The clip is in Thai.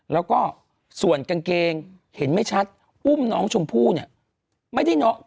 แล้วก็ส่วนกางเกงเห็นไม่ชัดอุ้มน้องชมพู่เนี่ยไม่ได้น้อง